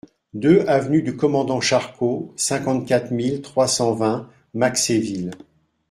deux avenue du Commandant Charcot, cinquante-quatre mille trois cent vingt Maxéville